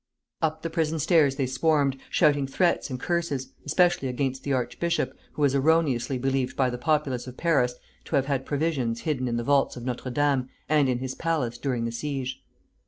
Up the prison stairs they swarmed, shouting threats and curses, especially against the archbishop, who was erroneously believed by the populace of Paris to have had provisions hidden in the vaults of Notre Dame and in his palace during the siege.